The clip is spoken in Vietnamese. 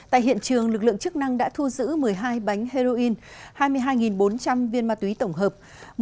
tại hiện trường lực lượng chức năng đã thu giữ một mươi hai bánh heroin hai mươi hai bốn trăm linh viên ma túy tổng hợp